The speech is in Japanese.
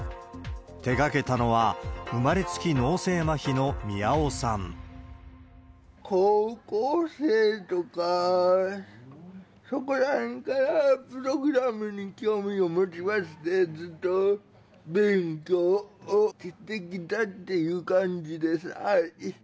手がけたのは、高校生とか、そこらへんからプログラムに興味を持ちまして、ずっと勉強をしてきたっていう感じです。